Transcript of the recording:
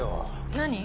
何？